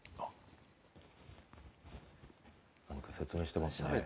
何か説明してますね。